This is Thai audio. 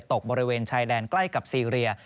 ตกบริเวณชายแดนใกล้กับซีเรีย